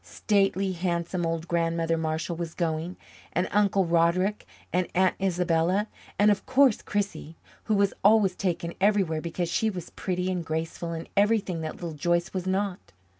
Stately, handsome old Grandmother Marshall was going, and Uncle Roderick and Aunt Isabella, and of course Chrissie, who was always taken everywhere because she was pretty and graceful, and everything that Little Joyce was not.